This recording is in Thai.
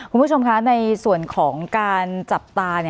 คุณผู้ชมคะในส่วนของการจับตา